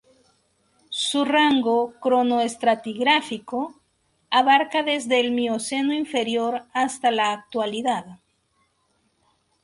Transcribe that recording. Su rango cronoestratigráfico abarca desde el Mioceno inferior hasta la Actualidad.